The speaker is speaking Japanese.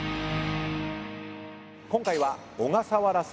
今回は小笠原さん